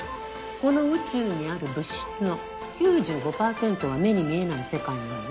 この宇宙にある物質の９５％は目に見えない世界なのよ。